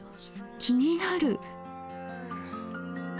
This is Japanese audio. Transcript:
気になる。